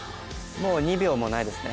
もう２秒もないですね。